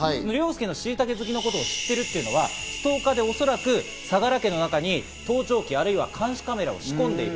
しいたけ好きを知っているっていうのはストーカーでおそらく相良家の中に盗聴器、あるいは監視カメラを仕込んでいる。